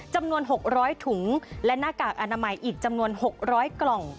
จำนวน๖๐๐ถุงและหน้ากากอนามัยอีกจำนวน๖๐๐กล่อง